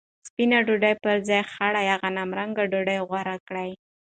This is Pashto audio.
سپینه ډوډۍ پر ځای خړه یا غنمرنګه ډوډۍ غوره کړئ.